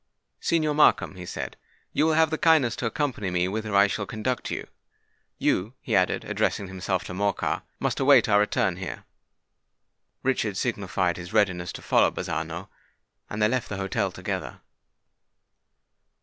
"Signor Markham," he said, "you will have the kindness to accompany me whither I shall conduct you. You," he added, addressing himself to Morcar, "must await our return here." Richard signified his readiness to follow Bazzano; and they left the hotel together.